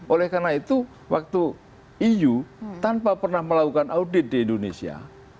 oleh karena itu waktu eu tanpa pernah melakukan audit di indonesia